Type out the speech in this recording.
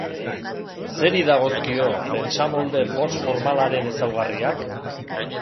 Zeri dagozkio pentsamolde postformalaren ezaugarriak?